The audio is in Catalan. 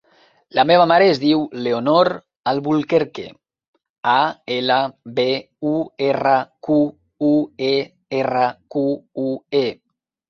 La meva mare es diu Leonor Alburquerque: a, ela, be, u, erra, cu, u, e, erra, cu, u, e.